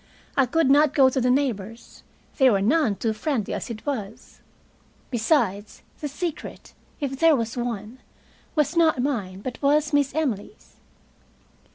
I could not go to the neighbors. They were none too friendly as it was. Besides, the secret, if there was one, was not mine, but was Miss Emily's.